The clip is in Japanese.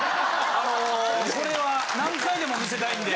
あのこれは何回でも見せたいんで。